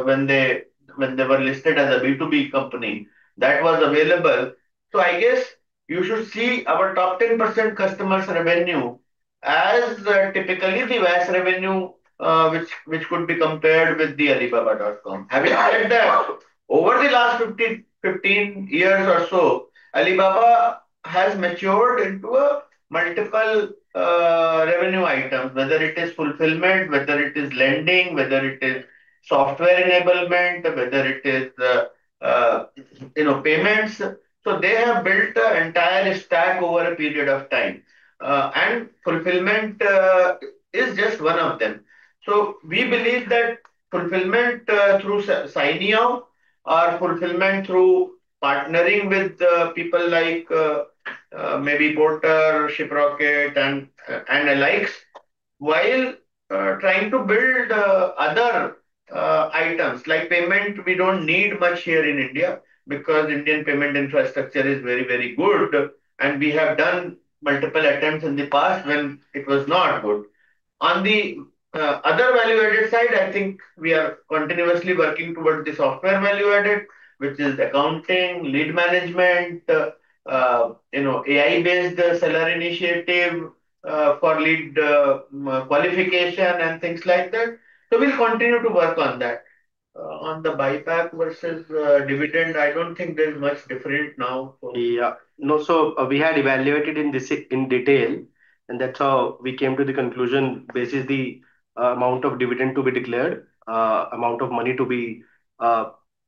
S2: when they, when they were listed as a B2B company that was available. I guess you should see our top 10% customers revenue as typically the VAS revenue, which could be compared with the alibaba.com. Having said that, over the last 15 years or so, Alibaba has matured into a multiple revenue items. Whether it is fulfillment, whether it is lending, whether it is software enablement, whether it is, you know, payments. They have built an entire stack over a period of time. Fulfillment is just one of them. We believe that fulfillment through Cainiao or fulfillment through partnering with people like maybe Porter, Shiprocket and alike, while trying to build other items. Like payment we don't need much here in India because Indian payment infrastructure is very, very good, and we have done multiple attempts in the past when it was not good. On the other value-added side, I think we are continuously working towards the software value-added, which is accounting, lead management, you know, AI-based seller initiative for lead qualification and things like that. We'll continue to work on that. On the buyback versus, dividend, I don't think there's much different now.
S4: Yeah. No. We had evaluated in this in detail, and that's how we came to the conclusion versus the amount of dividend to be declared, amount of money to be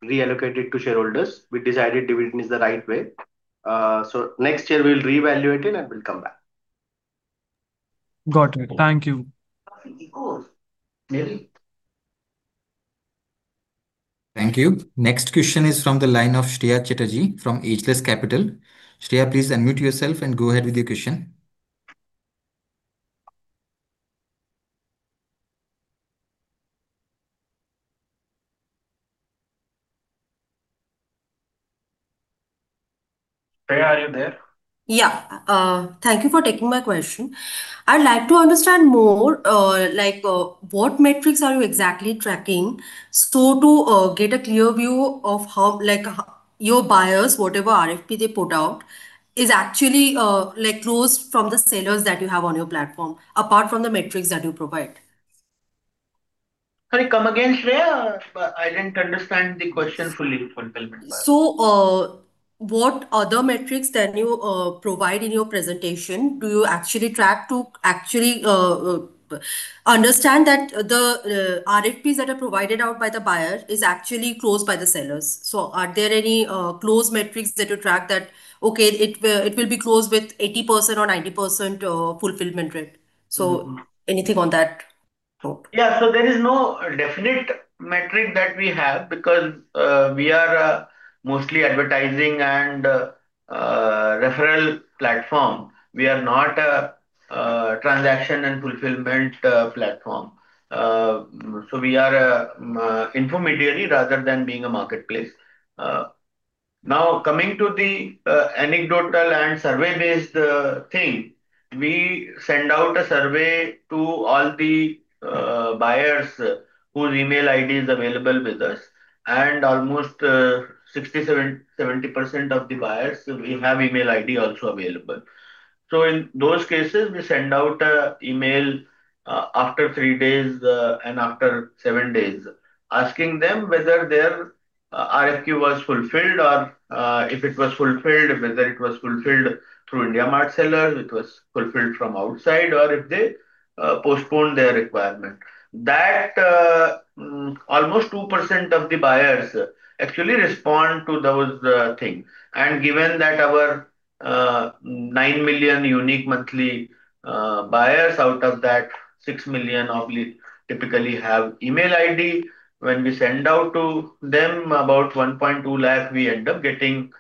S4: reallocated to Shareholders. We decided dividend is the right way. Next year we'll reevaluate it and we'll come back.
S11: Got it. Thank you.
S1: Thank you. Next question is from the line of Shreya Chatterjee from Ageless Capital. Shreya, please unmute yourself and go ahead with your question. Shreya, are you there?
S12: Thank you for taking my question. I'd like to understand more, like, what metrics are you exactly tracking so to get a clear view of how, like, your buyers, whatever RFP they put out, is actually, like, closed from the sellers that you have on your platform, apart from the metrics that you provide?
S2: Sorry, come again, Shreya. I didn't understand the question fully, fulfillment part.
S12: What other metrics than you provide in your presentation do you actually track to actually understand that the RFPs that are provided out by the buyer is actually closed by the sellers? Are there any close metrics that you track that, okay, it will be closed with 80% or 90% fulfillment rate? Anything on that front?
S2: Yeah. There is no definite metric that we have because we are mostly advertising and referral platform. We are not a transaction and fulfillment platform. We are a intermediary rather than being a marketplace. Now, coming to the anecdotal and survey-based thing. We send out a survey to all the buyers whose email ID is available with us, and almost 60%, 70% of the buyers we have email ID also available. In those cases, we send out a email after three days and after seven days asking them whether their RFQ was fulfilled or if it was fulfilled, whether it was fulfilled through IndiaMART seller, it was fulfilled from outside or if they postponed their requirement. That almost 2% of the buyers actually respond to those thing. Given that our 9 million unique monthly buyers, out of that, 6 million obviously typically have email ID. When we send out to them, about 1.2 lakh we end up getting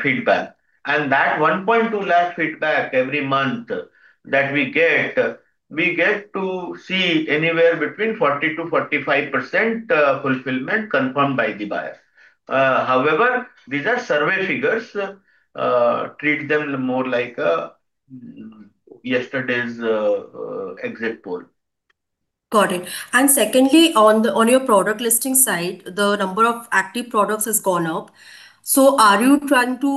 S2: feedback. That 1.2 lakh feedback every month that we get, we get to see anywhere between 40%-45% fulfillment confirmed by the buyer. However, these are survey figures. Treat them more like yesterday's exit poll.
S12: Got it. Secondly, on your product listing side, the number of active products has gone up. Are you trying to,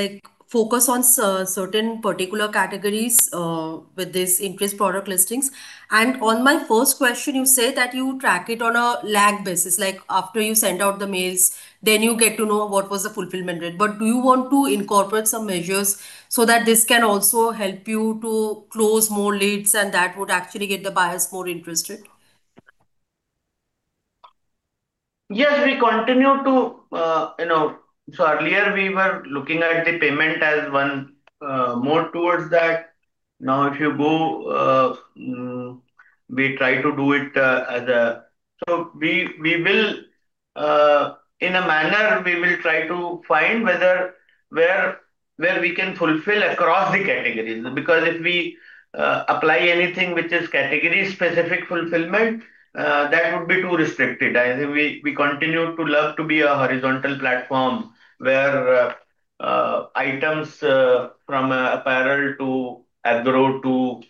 S12: like, focus on certain particular categories with this increased product listings? On my first question, you said that you track it on a lag basis. Like, after you send out the mails, then you get to know what was the fulfillment rate. Do you want to incorporate some measures so that this can also help you to close more leads and that would actually get the buyers more interested?
S2: Yes, we continue to, you know. Earlier we were looking at the payment as one, more towards that. Now, if you go, we try to do it. We, we will, in a manner, we will try to find whether where we can fulfill across the categories. Because if we apply anything which is category-specific fulfillment, that would be too restricted. I think we continue to love to be a horizontal platform where items from apparel to agro, to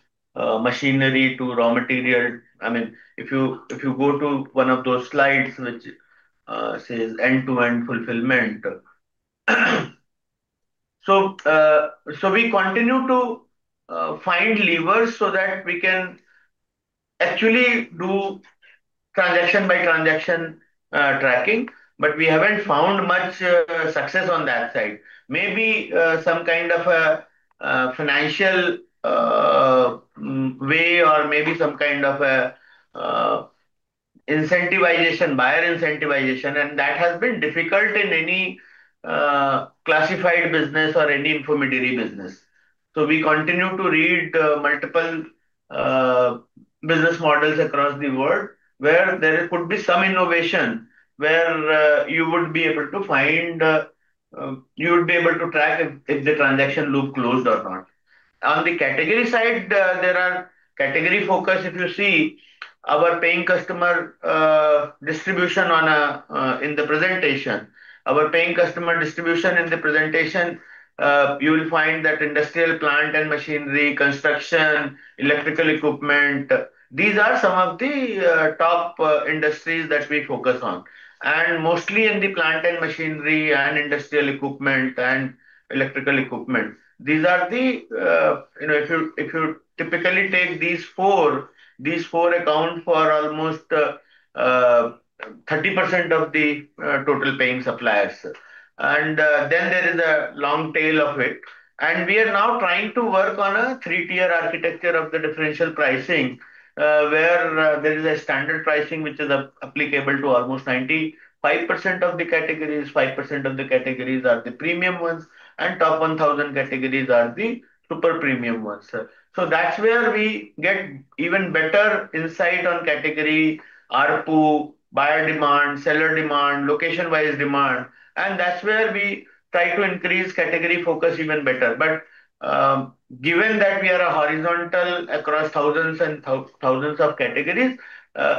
S2: machinery, to raw material. I mean, if you, if you go to one of those slides which says end-to-end fulfillment. We continue to find levers so that we can actually do transaction-by-transaction tracking, but we haven't found much success on that side. Maybe some kind of a financial way or maybe some kind of a incentivization, buyer incentivization, and that has been difficult in any classified business or any intermediary business. We continue to read multiple business models across the world where there could be some innovation where you would be able to find, you would be able to track if the transaction loop closed or not. On the category side, there are category focus. If you see our paying customer distribution on a in the presentation. Our paying customer distribution in the presentation, you will find that industrial plant and machinery, construction, electrical equipment, these are some of the top industries that we focus on. Mostly in the plant and machinery and industrial equipment and electrical equipment. These are the, you know, if you typically take these four, these four account for almost 30% of the total paying suppliers. Then there is a long tail of it. We are now trying to work on a 3-Tier architecture of the differential pricing, where there is a standard pricing which is applicable to almost 95% of the categories, 5% of the categories are the premium ones, and top 1,000 categories are the super premium ones. That's where we get even better insight on category, ARPU, buyer demand, seller demand, location-wise demand, and that's where we try to increase category focus even better. Given that we are a horizontal across thousands and thousands of categories,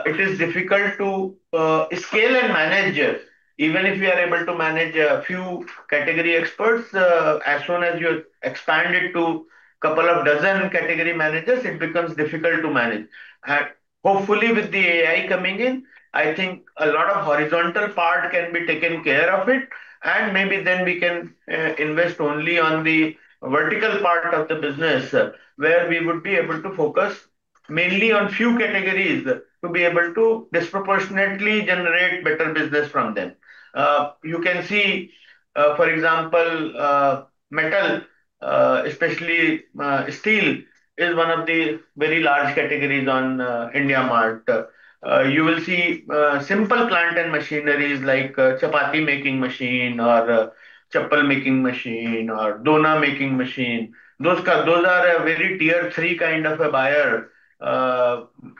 S2: it is difficult to scale and manage. Even if we are able to manage a few category experts, as soon as you expand it to couple of dozen category managers, it becomes difficult to manage. Hopefully, with the AI coming in, I think a lot of horizontal part can be taken care of it, and maybe then we can invest only on the vertical part of the business, where we would be able to focus mainly on few categories to be able to disproportionately generate better business from them. You can see, for example, metal, especially, steel is one of the very large categories on IndiaMART. You will see simple plant and machineries like chapati making machine or chappal making machine or dhona making machine. Those are a very tier three kind of a buyer,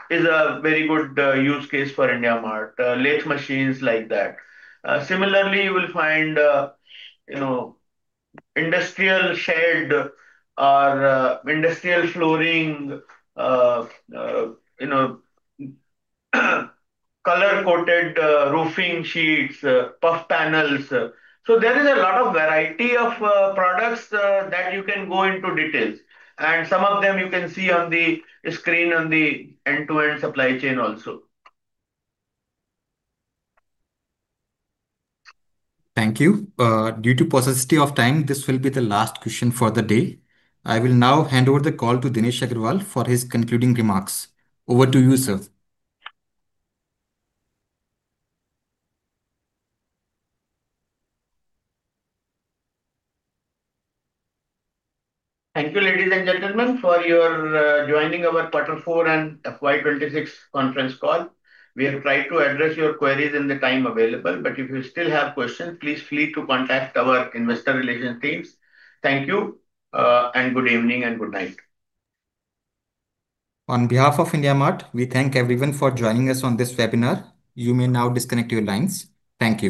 S2: is a very good use case for IndiaMART, lathe machines like that. Similarly, you will find, you know, industrial shed or industrial flooring, you know, color-coated roofing sheets, puff panels. There is a lot of variety of products that you can go into details, and some of them you can see on the screen on the end-to-end supply chain also.
S1: Thank you. Due to paucity of time, this will be the last question for the day. I will now hand over the call to Dinesh Agarwal for his concluding remarks. Over to you, sir.
S2: Thank you, ladies and gentlemen, for your joining our quarter four and FY 2026 conference call. We have tried to address your queries in the time available. If you still have questions, please feel free to contact our investor relation teams. Thank you, and good evening and good night.
S1: On behalf of IndiaMART, we thank everyone for joining us on this webinar. You may now disconnect your lines. Thank you.